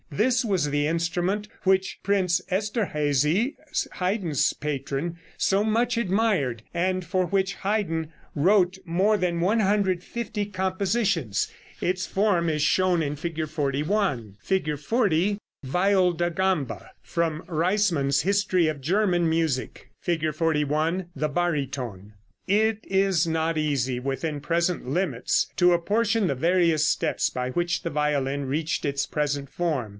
This was the instrument which Prince Esterhazy, Haydn's patron, so much admired, and for which Haydn wrote more than 150 compositions. Its form is shown in Fig. 41. [Illustration: Fig. 40. VIOL DA GAMBA. (From Reissman's "History of German Music.")] [Illustration: Fig. 41. THE BARYTONE.] It is not easy within present limits to apportion the various steps by which the violin reached its present form.